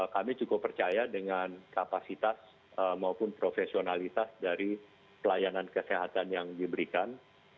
kami cukup percaya dengan kapasitas maupun profesionalitas dari pelayanan kesehatan yang diberikan